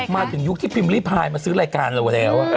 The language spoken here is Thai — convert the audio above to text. มาถึงยุคที่พิมริพายมาซื้อรายการเราแล้ว